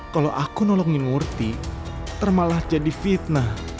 kalau aku nolongin murti termalah jadi fitnah